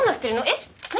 えっ？何？